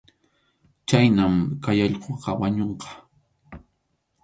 Chhaynam kay allquqa wañunqa.